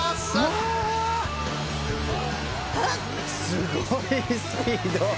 「すごいスピード」